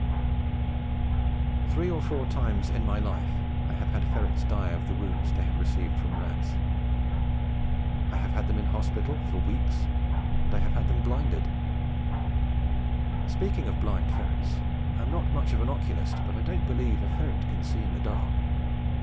Three or four times in my life I have had ferrets die of the wounds they have received from rats. I have had them in hospital for weeks, and I have had them blinded. Speaking of blind ferrets, I am not much of an oculist, but I don't believe a ferret can see in the dark.